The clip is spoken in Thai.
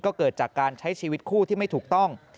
ก็เกิดจากการใช้ชีวิตคู่ที่ไม่ถูกต้อง